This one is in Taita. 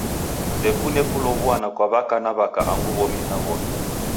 Ndekune kulow'uana kwa w'aka na w'aka angu w'omi na w'omi.